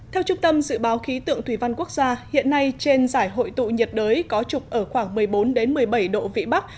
theo trung tâm dự báo khí tượng thủy văn quốc gia hiện nay trên giải hội tụ nhiệt đới có trục ở khoảng một mươi bốn một mươi bảy độ vĩ bắc